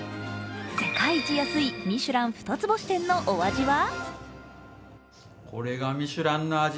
世界一安いミシュラン二つ星店のお味は。